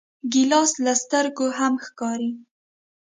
ګیلاس له سترګو هم ښکاري.